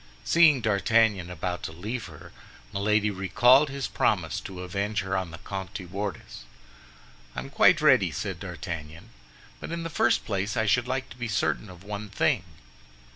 Seeing D'Artagnan about to leave her, Milady recalled his promise to avenge her on the Comte de Wardes. "I am quite ready," said D'Artagnan; "but in the first place I should like to be certain of one thing."